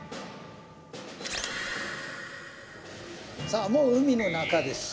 さあもう海の中です。